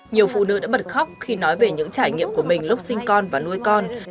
nhiều phụ nữ đã bật khóc khi nói về những trải nghiệm của mình lúc sinh con và nuôi con